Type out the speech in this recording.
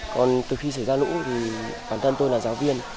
còn từ khi xảy ra lũ thì bản thân tôi là giáo viên